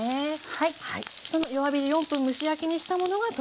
はい。